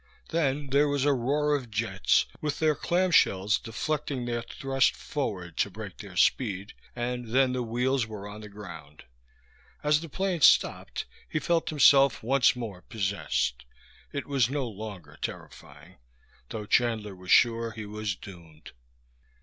Then there was a roar of jets, with their clamshells deflecting their thrust forward to brake their speed, and then the wheels were on the ground. As the plane stopped he felt himself once more possessed. It was no longer terrifying though Chandler was sure he was doomed.